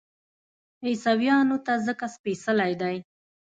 عیسویانو ته ځکه سپېڅلی دی.